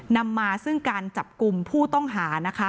นำมาซึ่งการจับกลุ่มผู้ต้องหานะคะ